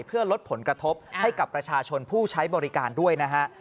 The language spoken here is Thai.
เพื่อลดผลกระทบให้กับประชาชนผู้ใช้บริการด้วยนะฮะ